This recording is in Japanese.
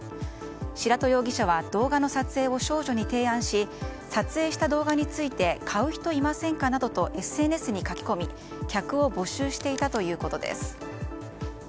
白戸容疑者は動画の撮影を少女に提案し撮影した動画について買う人いませんかなどとＳＮＳに書き込み客を募集していたということです。